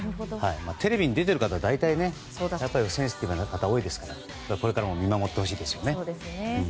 テレビに出ている方は大体、センシティブな方が多いですからこれからも見守ってほしいですね。